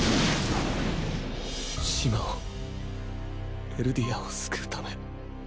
島をエルディアを救うため。